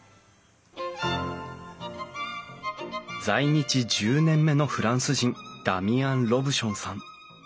在日１０年目のフランス人ダミアン・ロブションさん。